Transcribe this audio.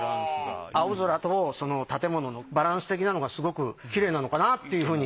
青空とその建物のバランス的なのがすごくきれいなのかなっていうふうに。